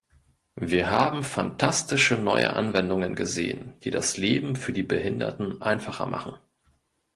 Wir haben phantastische neue Anwendungen gesehen, die das Leben für die Behinderten einfacher machen.